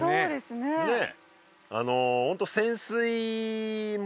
ねえ。